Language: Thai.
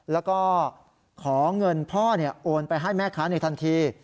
แล้วก็ขอเงินพ่อโอนไปให้แม่ค้าในทันที